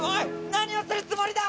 何をするつもりだ！